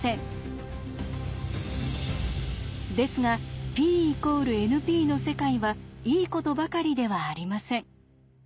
ですがＰ＝ＮＰの世界はいいことばかりではありません。